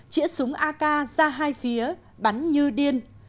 chỉa súng ak ra hai phía bắn như điên